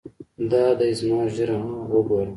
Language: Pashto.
دا دى زما ږيره وګوره.